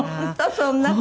そんな事。